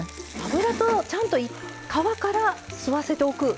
油とちゃんと皮から吸わせておく。